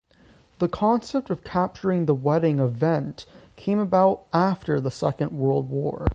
The concept of capturing the wedding "event" came about after the Second World War.